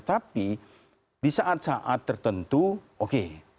tapi di saat saat tertentu oke